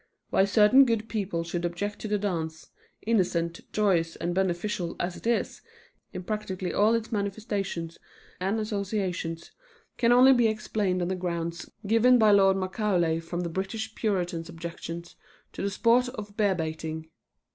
Why certain good people should object to the dance, innocent, joyous and beneficial as it is in practically all its manifestations and associations, can only be explained on the grounds given by Lord Macaulay from the British Puritan's objection to the sport of bear baiting.